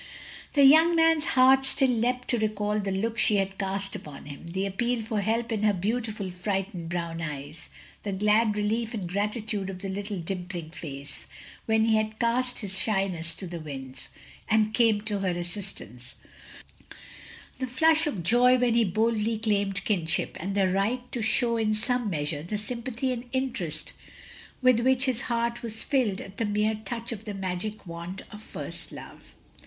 The young man's heart still leapt to recall the look she had cast upon him — ^the appeal for help in her beautiful frightened brown eyes — ^the glad relief and gratitude of the little dimpling face, when he had cast his shyness to the winds, and come to her assistance — ^the flush of joy when he boldly claimed kinship, and the right to show, in some measure, the sympathy and interest with which his heart was filled at the mere touch of the magic wand of first love.